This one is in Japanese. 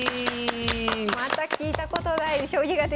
また聞いたことない将棋が出てきました。